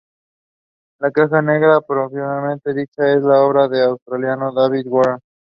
La caja negra propiamente dicha es obra del australiano David Warren.